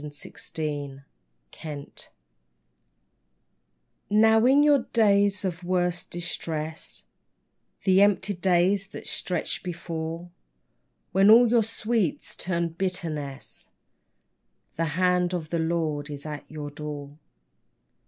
28th October 1914) Now in your days of worst distress, The empty days that stretch before, When all your sweet's turned bitterness ; The Hand of the Lord is at your door.